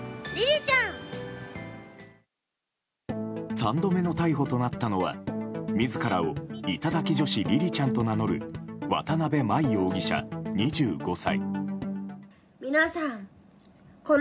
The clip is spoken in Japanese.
３度目の逮捕となったのは自らを頂き女子りりちゃんと名乗る渡辺真衣容疑者、２５歳。